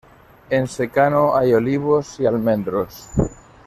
En secano hay olivos y almendros.